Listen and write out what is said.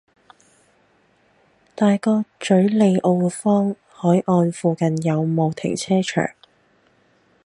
大角嘴利奧坊·凱岸附近有無停車場？